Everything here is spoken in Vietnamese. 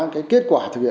cái kết quả thực hiện